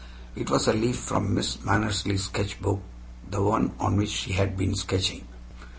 It was a leaf from Miss Mannersley's sketchbook, the one on which she had been sketching.